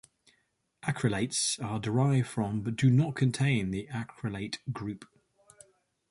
Acrylates are derived from but do not contain the acrylate group.